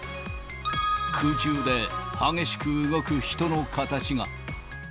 空中で激しく動く人の形が。